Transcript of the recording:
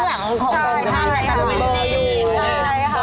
อ๋อทั้งหลังของของคุณค่ะ